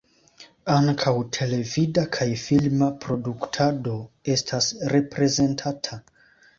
Ankaŭ televida kaj filma produktado estas reprezentata.